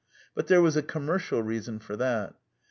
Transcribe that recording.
But there was a commercial reason for that.